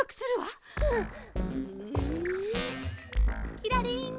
キラリン！